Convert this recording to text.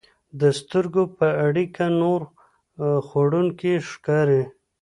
د سترګو په اړیکه نور خوړونکي ښکاري.